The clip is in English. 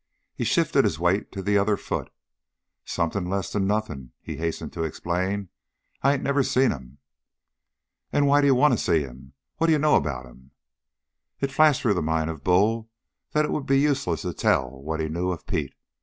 He shifted his weight to the other foot. "Something less'n nothing," he hastened to explain. "I ain't never seen him." "And why d'you want to see him? What d'you know about him?" It flashed through the mind of Bull that it would be useless to tell what he knew of Pete.